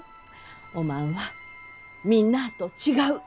おまんはみんなあと違う。